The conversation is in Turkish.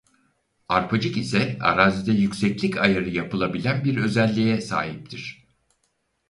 Arpacık ise arazide yükseklik ayarı yapılabilen bir özelliğe sahiptir.